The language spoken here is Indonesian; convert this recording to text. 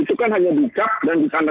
itu kan hanya di cap dan di tanda tangan